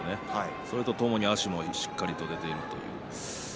それとともに足もしっかりと出ている。